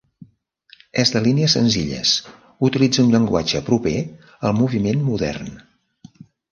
És de línies senzilles, utilitza un llenguatge proper al moviment modern.